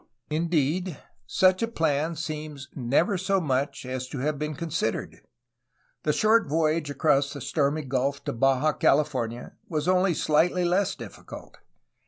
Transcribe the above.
Indeed, such a plan seems never so much as to have been con sidered. The short voyage across the stormy gulf to Baja California was only slightly less difficult.